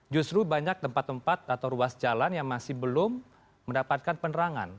justru banyak tempat tempat atau ruas jalan yang masih belum mendapatkan penerangan